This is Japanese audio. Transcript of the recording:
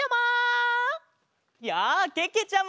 やあけけちゃま！